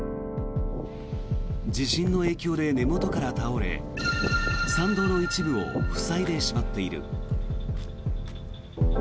地震の影響で根元から倒れ参道の一部を塞いでしまっている。